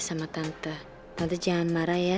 sama tante tante jangan marah ya